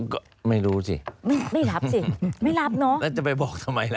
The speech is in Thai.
ก็ไม่รู้สิไม่รับสิไม่รับเนอะแล้วจะไปบอกทำไมล่ะ